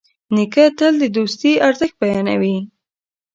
نیکه تل د دوستي ارزښت بیانوي.